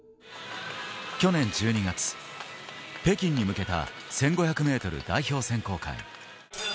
去年１２月、北京に向けた１５００ｍ代表選考会。